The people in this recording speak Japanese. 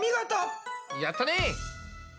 やったね！